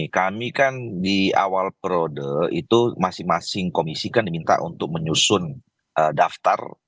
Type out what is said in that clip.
kami kan di awal periode itu masing masing komisi kan diminta untuk menyusun daftar